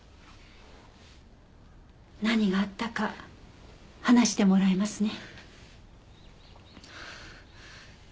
何があったか話してもらえますね。